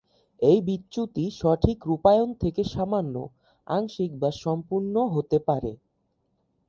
এই বিচ্যুতি সঠিক রূপায়ণ থেকে সামান্য, আংশিক বা সম্পূর্ণ হতে পারে।